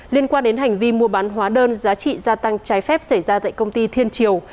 liên quan đến hành vi mua bán hóa đơn giá trị gia tăng trái phép xảy ra tại công ty thiên triều